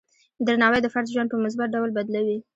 درناوی د فرد ژوند په مثبت ډول بدلوي.